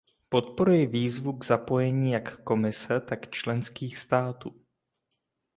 Podporuji výzvu k zapojení jak Komise, tak členských států.